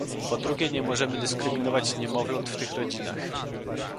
Po drugie nie możemy dyskryminować niemowląt w tych rodzinach